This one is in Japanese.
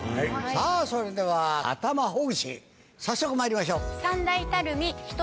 さぁそれでは頭ほぐし早速まいりましょう。